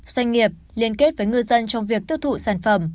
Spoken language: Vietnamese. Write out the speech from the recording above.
doanh nghiệp liên kết với ngư dân trong việc tiêu thụ sản phẩm